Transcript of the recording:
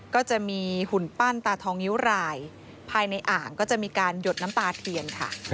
ก็จะมีหุ่นปั้นตาทองนิ้วรายภายในอ่างก็จะมีการหยดน้ำตาเทียนค่ะ